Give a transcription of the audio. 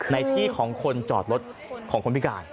ในที่ของคนจอดรถของคนพิการ